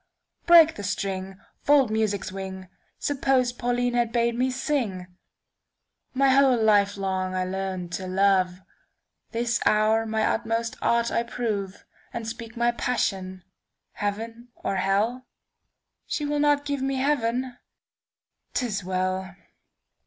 Break the string; fold music's wing:Suppose Pauline had bade me sing! My whole life long I learn'd to love. This hour my utmost art I proveAnd speak my passion—heaven or hell? She will not give me heaven? 'T is well!